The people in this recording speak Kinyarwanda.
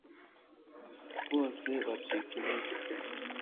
bose bacika intege